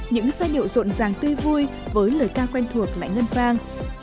những giai điệu rộn ràng tươi vui với lời ca quen thuộc lại ngân vang